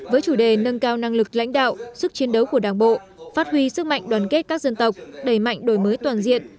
với chủ đề nâng cao năng lực lãnh đạo sức chiến đấu của đảng bộ phát huy sức mạnh đoàn kết các dân tộc đẩy mạnh đổi mới toàn diện